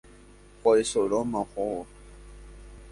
ko'ẽsoróma ohóvo